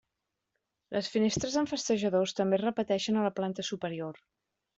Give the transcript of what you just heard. Les finestres amb festejadors també es repeteixen a la planta superior.